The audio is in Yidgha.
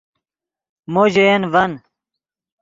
مو ژے ین ڤن